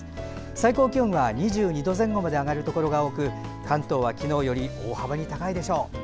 最高気温は、２２度前後まで上がるところが多く関東は昨日より大幅に高いでしょう。